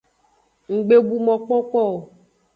Nggbebu mokpokpo o.